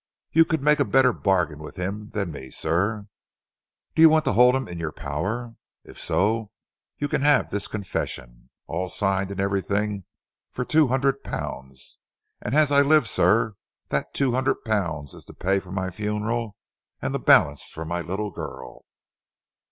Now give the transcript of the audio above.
You could make a better bargain with him than me, sir. Do you want to hold him in your power? If so, you can have this confession, all signed and everything, for two hundred pounds, and as I live, sir, that two hundred pounds is to pay for my funeral, and the balance for my little girl."